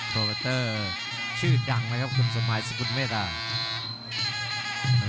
โปรโมเตอร์ชื่อดังนะครับคุณสมมายสกุลเมธา